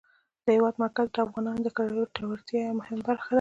د هېواد مرکز د افغانانو د ګټورتیا یوه مهمه برخه ده.